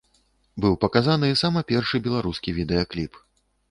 Быў паказаны сама першы беларускі відэакліп.